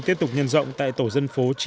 tiếp tục nhân rộng tại tổ dân phố chín